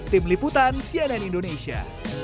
tim liputan sianen indonesia